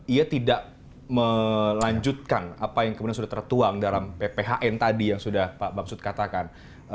ia tidak melanjutkan apa yang kemudian sudah tertuang dalam pphn tadi yang sudah pak bamsud katakan